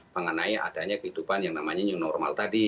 mengenai adanya kehidupan yang namanya new normal tadi